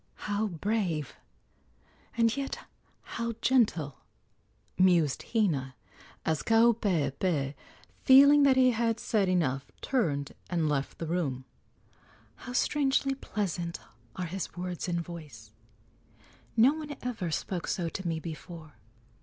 "How brave, and yet how gentle!" mused Hina, as Kaupeepee, feeling that he had said enough, turned and left the room. "How strangely pleasant are his words and voice! No one ever spoke so to me before.